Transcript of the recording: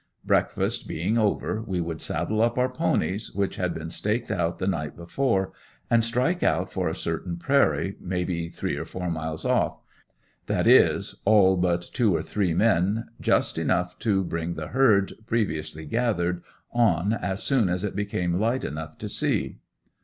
Breakfast being over we would saddle up our ponies, which had been staked out the night before, and strike out for a certain prairie may be three or four miles off that is all but two or three men, just enough to bring the herd, previously gathered, on as soon as it became light enough to see.